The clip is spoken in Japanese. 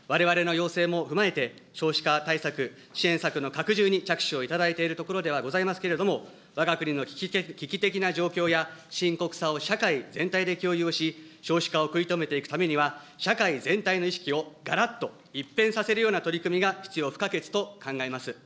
われわれの要請も踏まえて、少子化対策、支援策の拡充に着手をいただいているところではございますけれども、わが国の危機的な状況や深刻さを社会全体で共有をし、少子化を食い止めていくためには、社会全体の意識をがらっと一変させるような取り組みが必要不可欠と考えます。